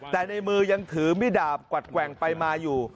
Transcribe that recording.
แต่ในมือยังถือมิดาบกวัดแกว่งไปมาอยู่